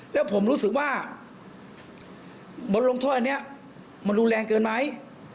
แล้วผมรู้สึกว่าบทลงโทษอันนี้มันรุนแรงเกินไหม